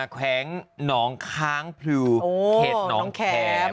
แข็งน้องค้างพลิวเข็ดน้องแขม